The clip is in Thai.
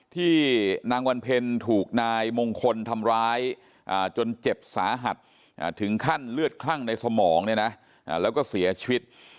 ที่นางวันเพ็ญถูกนายมงคลทำร้ายจนเจ็บสาหัสถึงขั้นเลือดคลั่งในสมองเนี่ยนะแล้วก็เสียชีวิต